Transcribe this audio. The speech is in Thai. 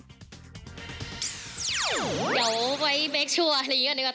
เดี๋ยวไว้เบคชัวร์อะไรอย่างนี้กันดีกว่า